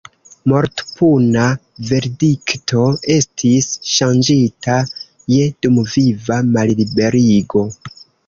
Mortpuna verdikto estis ŝanĝita je dumviva malliberigo.